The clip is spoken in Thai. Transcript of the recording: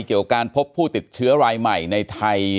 เกี่ยวกับการพบผู้ติดเชื้อรายใหม่ในไทย